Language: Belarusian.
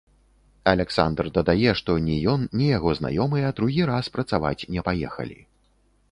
Аляксандр дадае, што ні ён, ні яго знаёмыя другі раз працаваць не паехалі.